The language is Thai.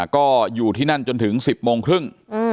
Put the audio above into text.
ก็อยู่ที่นั่นจนถึง๑๐โมงครึ่ง